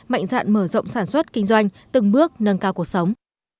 mạnh dạn mở rộng sản xuất kinh doanh từng bước nâng cao cuộc sống